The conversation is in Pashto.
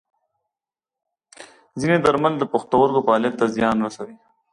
ځینې درمل د پښتورګو فعالیت ته زیان رسوي.